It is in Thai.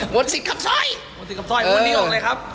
หมดสิทธิ์ขับสร้อยหมดสิทธิ์ขับสร้อยแต่วันนี้ออกเลยครับ